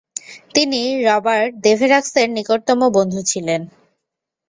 তিনি রবার্ট দেভেরাক্সের নিকটতম বন্ধু ছিলেন।